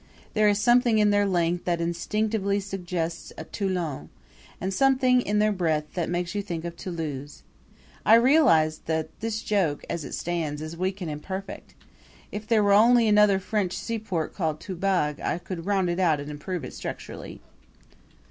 There is something in their length that instinctively suggests Toulon, something in their breadth that makes you think of Toulouse. I realize that this joke, as it stands, is weak and imperfect. If there were only another French seaport called Toubagge I could round it out and improve it structurally.